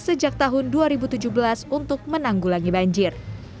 sejak tahun dua ribu tujuh belas untuk menanggulangi banjir